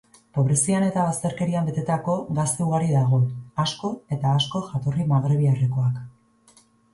Pobrezian eta bazterkerian betetako gazte ugari dago, asko eta asko jatorri magrebiarrekoak.